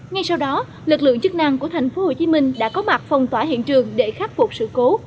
ngay sau đó lực lượng chức năng của thành phố hồ chí minh đã có mặt phòng tỏa hiện trường để khắc phục sự cố